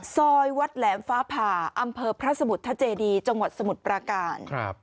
ซอยวัดแหลมฟ้าผ่าอำเภอพระสมุทรทเจดีจังหวัดสมุทรปราการ